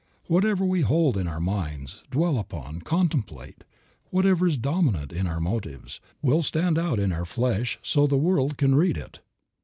Whatever we hold in our minds, dwell upon, contemplate, whatever is dominant in our motives, will stand out in our flesh so that the world can read it.